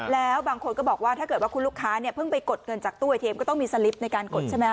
แล้วบางคนก็บอกว่าถ้าเกิดว่าคุณลูกค้าเนี่ยเพิ่งไปกดเงินจากตู้ไอเทมก็ต้องมีสลิปในการกดใช่ไหมฮ